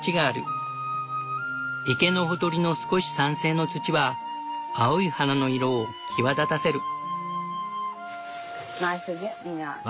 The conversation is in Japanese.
池のほとりの少し酸性の土は青い花の色を際立たせる。